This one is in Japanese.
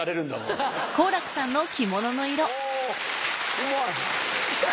うまい！